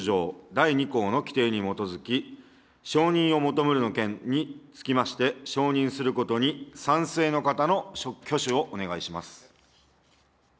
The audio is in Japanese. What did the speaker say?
第２項の規定に基づき、承認を求めるの件について、承認することに賛成の方の挙手をお願いします。